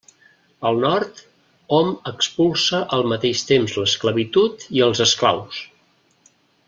Al Nord hom expulsa al mateix temps l'esclavitud i els esclaus.